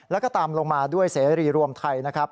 แล้วก็ตามลงมาด้วยเสรีรวมไทยนะครับ